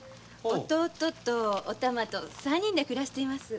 弟とお玉と三人で暮らしています。